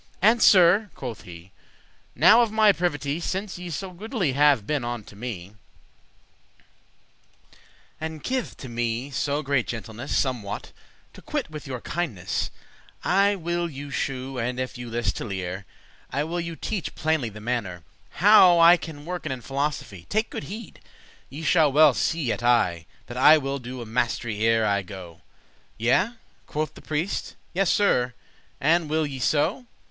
And Sir," quoth he, "now of my privity, Since ye so goodly have been unto me, And kithed* to me so great gentleness, *shown Somewhat, to quite with your kindeness, I will you shew, and if you list to lear,* *learn I will you teache plainly the mannere How I can worken in philosophy. Take good heed, ye shall well see *at eye* *with your own eye* That I will do a mas'try ere I go." "Yea," quoth the priest; "yea, Sir, and will ye so?